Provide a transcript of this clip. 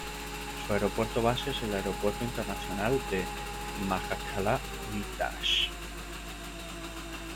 Su aeropuerto base es el Aeropuerto Internacional de Majachkalá-Uytash.